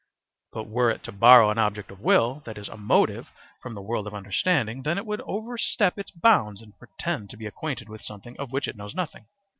But were it to borrow an object of will, that is, a motive, from the world of understanding, then it would overstep its bounds and pretend to be acquainted with something of which it knows nothing.